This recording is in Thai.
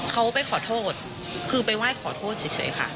เขาไปขอโทษคือไปไหว้ขอโทษเฉยค่ะ